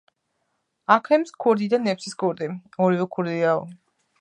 აქლემის ქურდი და ნემსის ქურდი, ორივე ქურდიაო